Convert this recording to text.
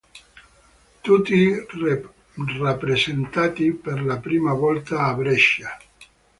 Tutti rappresentati per la prima volta a Brescia.